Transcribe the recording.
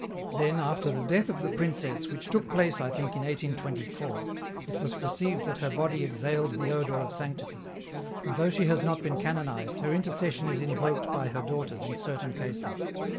" Then, after the death of the princess, which took place, I think, in 1824, it was perceived that her body exhaled the odour of sanctity, and though she has not been canonized her intercession is invoked by her daughters in certain cases.